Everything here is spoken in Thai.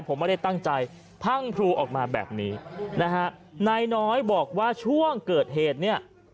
ผมไม่ได้ตั้งใจพังพลูออกมาแบบนี้นะฮะนายน้อยบอกว่าช่วงเกิดเหตุเนี่ย